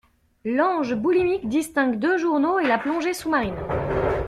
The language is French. L'ange boulimique distingue deux journaux et la plongée sous-marine.